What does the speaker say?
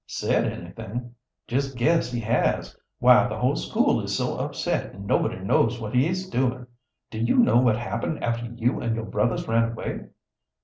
"Said anything? Just guess he has. Why, the whole school is so upset nobody knows what he is doing. Do you know what happened after you and your brothers ran away?"